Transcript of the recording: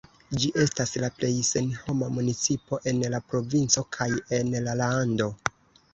Ĝi estas la plej senhoma municipo en la provinco kaj en la lando.